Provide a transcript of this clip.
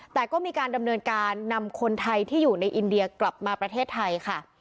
แต่ก็มีการดำเนินการนำคนไทยที่อยู่ในอินเดียกลับมาประเทศไทยค่ะ